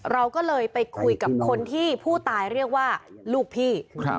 เราก็เลยไปคุยกับคนที่ผู้ตายเรียกว่าลูกพี่